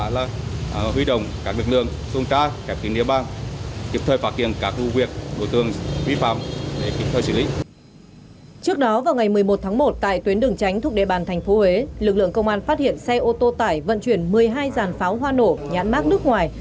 lực lượng công an phát hiện xe ô tô tải vận chuyển một mươi hai dàn pháo hoa nổ nhãn mát nước ngoài